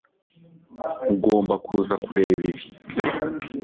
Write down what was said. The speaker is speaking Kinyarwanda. Ugomba kuza kureba ibi